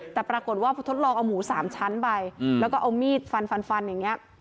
แต่ปรากฏว่าพอทดลองเอาหมู๓ชั้นไปแล้วก็เอามีดฟันฟันอย่างนี้